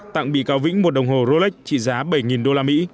tặng bị cáo vĩnh một đồng hồ rolex trị giá bảy usd